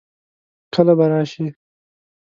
کله به راشي؟